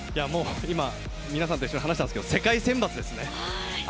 今、皆さんと一緒に話してたんですけど、世界選抜ですね。